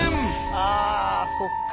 ああそっか。